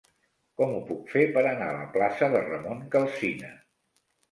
Com ho puc fer per anar a la plaça de Ramon Calsina?